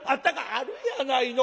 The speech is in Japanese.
「あるやないの。